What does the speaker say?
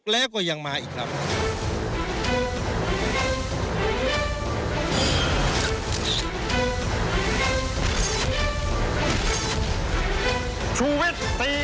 แล้วก็ยังมาอีกครับ